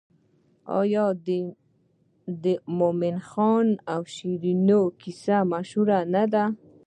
آیا د مومن خان او شیرینو کیسه مشهوره نه ده؟